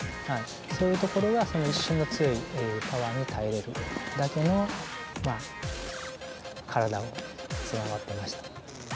そういうところが一瞬の強いパワーに耐えられるだけの体が備わってました。